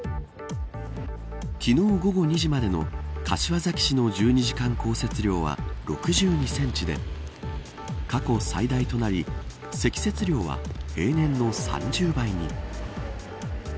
昨日午後２時までの柏崎市の１２時間降雪量は６２センチで過去最大となり積雪量は平年の３０倍に。